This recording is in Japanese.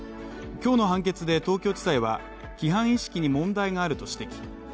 今日の判決で東京地裁は規範意識に問題があると指摘。